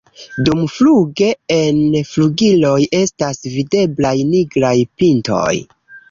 Dumfluge en flugiloj estas videblaj nigraj pintoj.